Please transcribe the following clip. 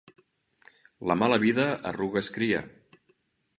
La mala vida arrugues cria.